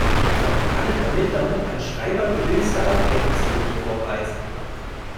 Von allen Ermittlern kann Schreiber die höchste Aufklärungsquote vorweisen.